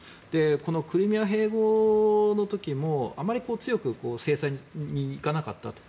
このクリミア併合の時もあまり強く制裁に行かなかったと。